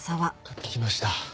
買ってきました。